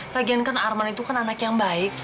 regian kan arman itu kan anak yang baik